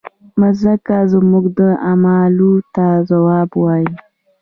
مځکه زموږ اعمالو ته ځواب وایي.